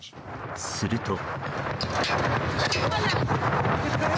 すると。